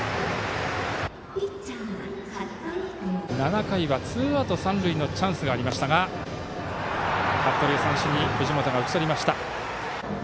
７回はツーアウト、三塁のチャンスがありましたが服部を三振に藤本が打ち取りました。